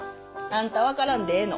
あんたは分からんでええの。